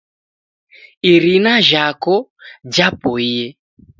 Irina jhako japoie.